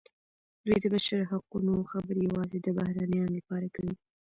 دوی د بشري حقونو خبرې یوازې د بهرنیانو لپاره کوي.